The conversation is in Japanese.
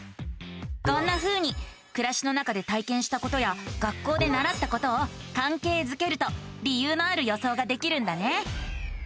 こんなふうにくらしの中で体験したことや学校でならったことをかんけいづけると理由のある予想ができるんだね。